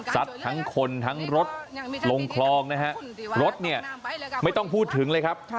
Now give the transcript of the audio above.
ทั้งคนทั้งรถลงคลองนะฮะรถเนี่ยไม่ต้องพูดถึงเลยครับ